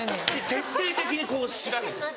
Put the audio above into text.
徹底的に調べて。